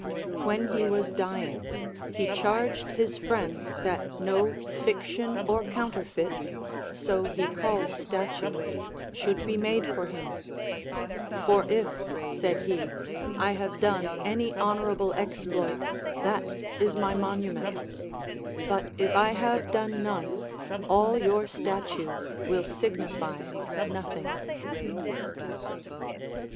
AVhen he was dying, he charged his friends that no fiction or counterfeit (so he called statues) should be made for him ; For if, said he, I have done any honorable exploit, that is my monument ; but if I have done none, all your statues will signify nothing.